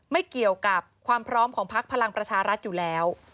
ไม่เกี่ยวกับความพร้อมของพักพลังประชารัฐอยู่แล้ว